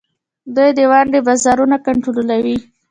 دوی د ونډو بازارونه کنټرولوي.